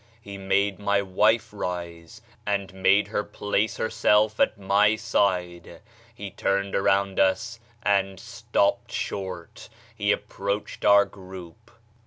He made my wife rise, and made her place herself at my side He turned around us and stopped short; he approached our group.